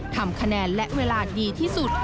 ทำคะแนนและเวลาดีที่สุด